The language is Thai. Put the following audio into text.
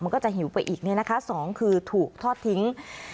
มันก็จะหิวไปอีกเนี่ยนะคะสองคือถูกทอดทิ้ง